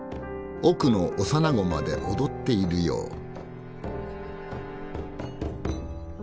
奥の幼子まで踊っているよう。